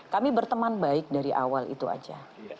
kami berteman baik dari awal itu aja